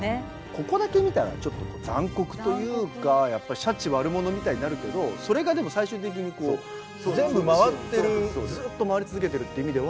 ここだけ見たらちょっと残酷というかやっぱりシャチ悪者みたいになるけどそれがでも最終的にこう全部回ってるずっと回り続けてるっていう意味では。